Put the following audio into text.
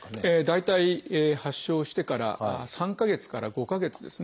大体発症してから３か月から５か月ですね。